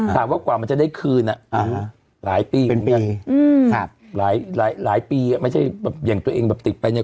ถามว่ากว่ามันจะได้คืนอะหลายปีหรือไม่ใช่อย่างตัวเองติดไปเนี่ย